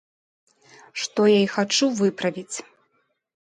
Што я і хачу выправіць.